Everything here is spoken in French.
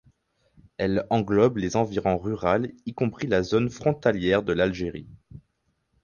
Elle englobe les environs rurales y compris la zone frontalière de l'Algérie.